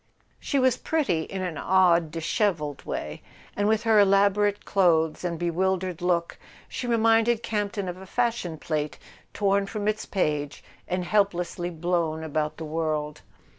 She was pretty in an odd dishevelled way, and with her elaborate clothes and bewildered look she reminded Campton of a fashion plate torn from its page and helplessly blown about the world.